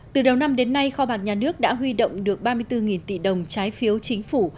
từ đầu năm đến nay kho bạc nhà nước đã huy động được ba mươi bốn tỷ đồng trái phiếu chính phủ